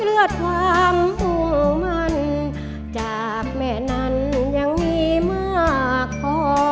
เพื่อทำภูมิมันจากแม่นั้นยังมีมากพอ